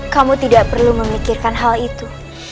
kamu tidak perlu memikirkan hal itu